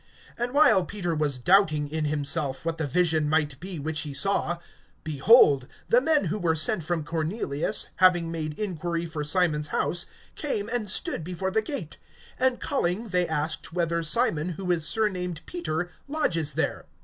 (17)And while Peter was doubting in himself what the vision might be which he saw, behold, the men who were sent from Cornelius, having made inquiry for Simon's house, came and stood before the gate; (18)and calling they asked, whether Simon, who is surnamed Peter, lodges here.